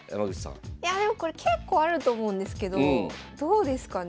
いやあでもこれ結構あると思うんですけどどうですかね。